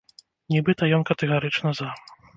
Нібыта ён катэгарычна за.